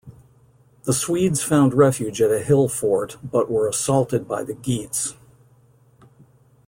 The Swedes found refuge at a hill fort but were assaulted by the Geats.